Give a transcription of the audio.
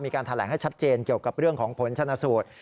แถลงให้ชัดเจนเกี่ยวกับเรื่องของผลชนะสูตร